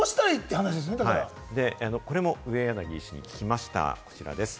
これも上柳医師に聞きました、こちらです。